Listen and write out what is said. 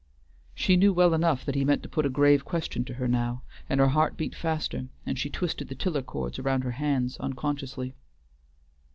She knew well enough that he meant to put a grave question to her now, and her heart beat faster and she twisted the tiller cords around her hands unconsciously.